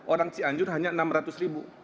orang cianjur hanya rp enam ratus